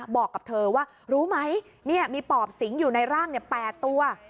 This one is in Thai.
บอกกับเธอว่ารู้ไหมมีปอบสิงอยู่ในร่าง๘ตัว